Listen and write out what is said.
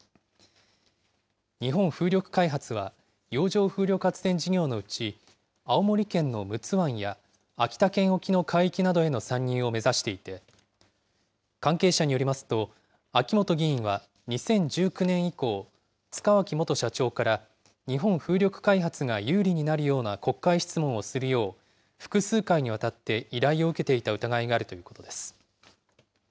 日本風力開発は、洋上風力発電事業のうち、青森県の陸奥湾や、秋田県沖の海域などへの参入を目指していて、関係者によりますと、秋本議員は２０１９年以降、塚脇元社長から、日本風力開発が有利になるような国会質問をするよう、複数回にわたって依頼を受けていた疑いがあるということです。